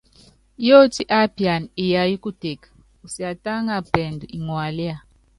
Yótí ápiana iyayɔ́ kuteke, usiatáŋa pɛɛndú iŋalía.